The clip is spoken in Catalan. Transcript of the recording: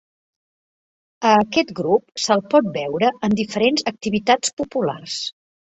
A aquest grup se'l pot veure en diferents activitats populars.